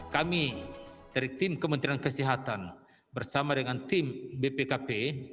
kami dari tim kementerian kesehatan bersama dengan tim bpkp